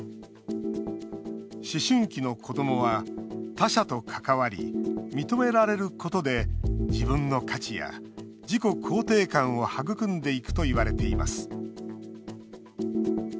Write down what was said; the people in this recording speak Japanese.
思春期の子どもは他者と関わり、認められることで自分の価値や、自己肯定感を育んでいくといわれています。